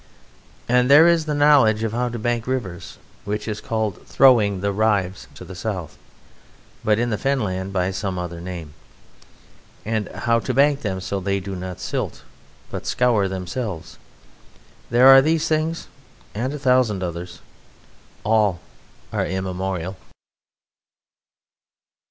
And there is the knowledge of how to bank rivers, which is called "throwing the rives" in the South, but in the Fen Land by some other name; and how to bank them so that they do not silt, but scour themselves. There are these things and a thousand others. All are immemorial.